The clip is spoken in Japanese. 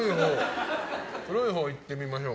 黒いほう、いってみましょう。